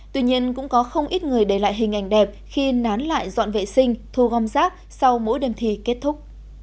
tuy nhiên cũng có không ít người để lại hình ảnh đẹp khi nán lại dọn vệ sinh thu gom rác sau mỗi đêm thi kết thúc